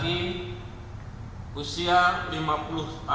teridentifikasi melalui dna